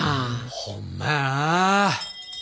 ほんまやな。